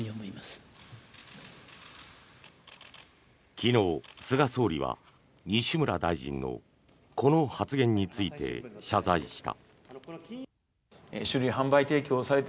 昨日、菅総理は西村大臣のこの発言について謝罪した。